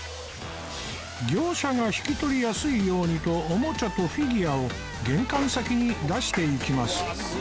業者が引き取りやすいようにとおもちゃとフィギュアを玄関先に出していきます